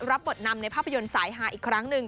รับบทนำในภาพยนตร์สายฮาอีกครั้งหนึ่ง